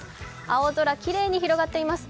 青空きれいに広がっています。